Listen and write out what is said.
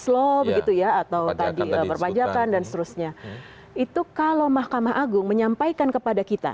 slow begitu ya atau tadi perpajakan dan seterusnya itu kalau mahkamah agung menyampaikan kepada kita